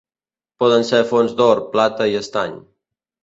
Poden ser fonts d'or, plata i estany.